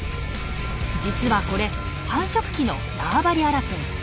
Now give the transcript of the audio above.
実はこれ繁殖期の縄張り争い。